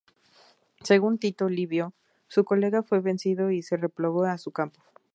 Según Tito Livio, su colega fue vencido y se replegó a su campo.